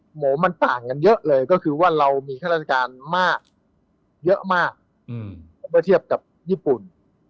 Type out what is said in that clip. หมูมันต่างกันเยอะเลยก็คือว่าเรามีข้าราชการมากเยอะมากเมื่อเทียบกับญี่ปุ่น